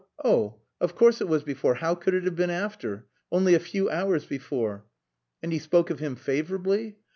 Oh! Of course, it was before! How could it have been after? Only a few hours before." "And he spoke of him favourably?"